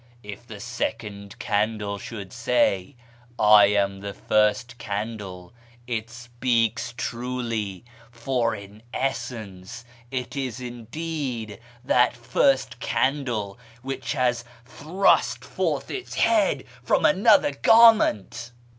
If the second candle should say, * I am the first candle,' it speaks truly, for, in essence, it is indeed that first candle wliich has thrust forth its head from another garment."